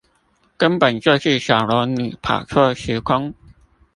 根本就是小龍女跑錯時空